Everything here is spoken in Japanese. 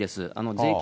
税金